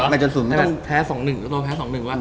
แพ้๒๑ตัวแพ้๒๑วะ